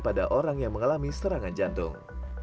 pada orang yang mengalami serangan jantung